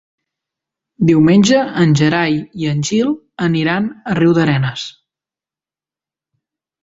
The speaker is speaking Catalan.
Diumenge en Gerai i en Gil aniran a Riudarenes.